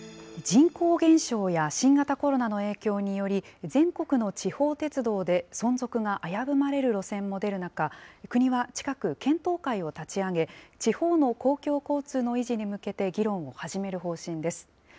人口減少や新型コロナの影響により、全国の地方鉄道で存続が危ぶまれる路線も出る中、国は近く、検討会を立ち上げ、地方の公共交通の維持に向けて議論を始める方針です。